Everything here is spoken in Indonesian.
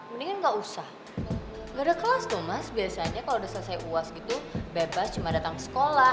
mendingan ga usah ga ada kelas mas biasanya kalo udah selesai uas gitu bebas cuma datang ke sekolah